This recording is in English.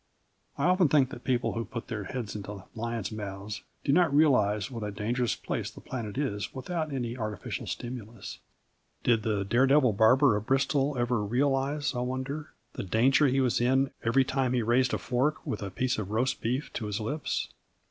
I often think that people who put their heads into lions' mouths do not realise what a dangerous place the planet is without any artificial stimulus. Did the daredevil barber of Bristol ever realise, I wonder, the danger he was in every time he raised a fork with a piece of roast beef to his lips?